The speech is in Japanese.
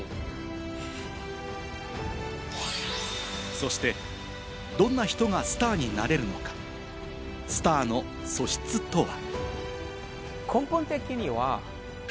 そしてどんな人がスターになれるのか、スターの素質とは。